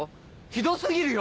ひど過ぎるよ！